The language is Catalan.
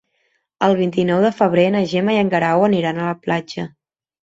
El vint-i-nou de febrer na Gemma i en Guerau aniran a la platja.